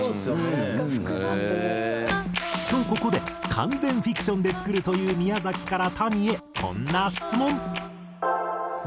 なんか複雑！とここで完全フィクションで作るという宮崎からＴａｎｉへこんな質問。